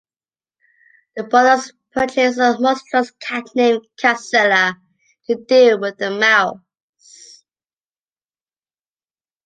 The brothers purchase a monstrous cat named "Catzilla" to deal with the mouse.